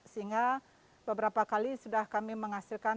sehingga beberapa kali sudah kami menghasilkan